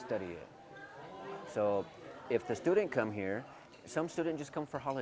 jadi jika pelajar datang ke sini beberapa pelajar hanya datang untuk berhenti